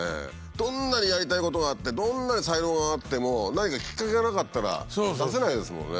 どんなにやりたいことがあってどんなに才能があっても何かきっかけがなかったら出せないですもんね。